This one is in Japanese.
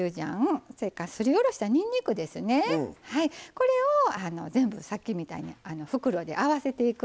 これを全部さっきみたいに袋で合わせていくんです。